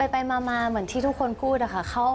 ไปมาเหมือนที่ทุกคนพูดนะคะ